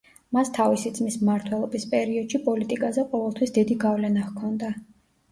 მას თავისი ძმის მმართველობის პერიოდში პოლიტიკაზე ყოველთვის დიდი გავლენა ჰქონდა.